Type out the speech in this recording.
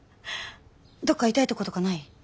どっか痛いとことかない？